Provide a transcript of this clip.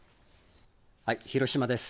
広島です。